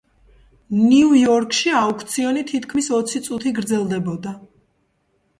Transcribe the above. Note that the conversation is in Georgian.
ნიუ-იორკში აუქციონი თითქმის ოცი წუთი გრძელდებოდა.